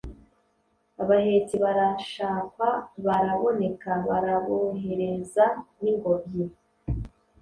Abahetsi barashakwa baraboneka. Barabohereza n'ingobyi.